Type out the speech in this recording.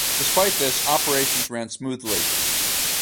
Despite this, operations ran smoothly.